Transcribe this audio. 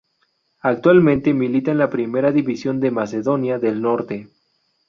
Actualmente milita en la Primera División de Macedonia del Norte.